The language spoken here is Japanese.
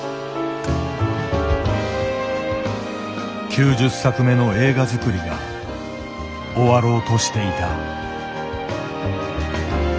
９０作目の映画作りが終わろうとしていた。